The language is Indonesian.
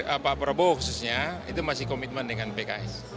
pak prabowo khususnya itu masih komitmen dengan pks